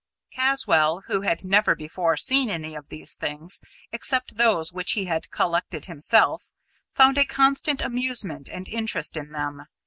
Caswall, who had never before seen any of these things, except those which he had collected himself, found a constant amusement and interest in them.